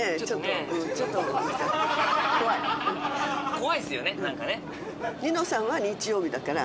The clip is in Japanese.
怖いですよね何かね。